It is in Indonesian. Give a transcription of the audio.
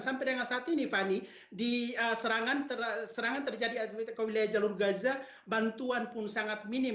sampai dengan saat ini fani di serangan terjadi ke wilayah jalur gaza bantuan pun sangat minim